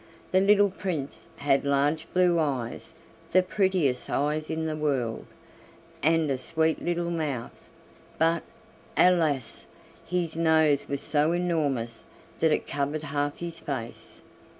The little Prince had large blue eyes, the prettiest eyes in the world, and a sweet little mouth, but, alas! his nose was so enormous that it covered half his face.